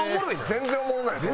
全然おもんない。